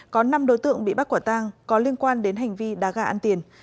có năm đối tượng bị bắt quả tang có liên quan đến hành vi đá gà ăn tiền